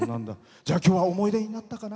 きょうは思い出になったかな。